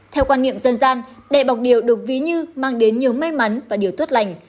theo quan niệm dân gian đẻ bọc điều được ví như mang đến nhiều may mắn và điều tuốt lành